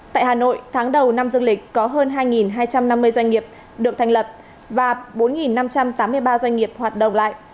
tại hà nội tháng đầu năm dương lịch có hơn hai hai trăm năm mươi doanh nghiệp được thành lập và bốn năm trăm tám mươi ba doanh nghiệp hoạt động lại